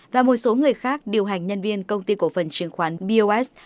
và một số người khác điều hành nhân viên công ty cổ phần chứng khoán bos